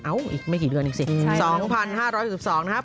อีกไม่กี่เดือนอีกสิ๒๕๖๒นะครับ